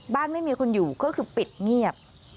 ไม่มีคนอยู่ก็คือปิดเงียบ